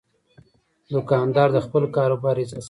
دوکاندار د خپل کاروبار عزت ساتي.